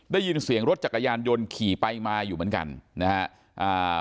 ได้ยินเสียงรถจักรยานยนต์ขี่ไปมาอยู่เหมือนกันนะฮะอ่า